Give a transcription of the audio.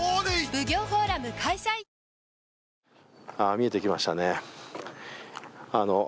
見えてきましたね。